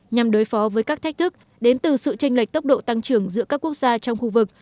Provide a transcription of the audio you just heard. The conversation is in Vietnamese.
nhằm đối phó với các thách thức đến từ sự tranh lệch tốc độ tăng trưởng giữa các quốc gia trong khu vực